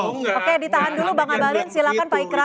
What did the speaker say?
oke ditahan dulu bang abalin silahkan pak ikra